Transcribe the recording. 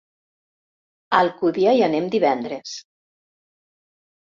A Alcúdia hi anem divendres.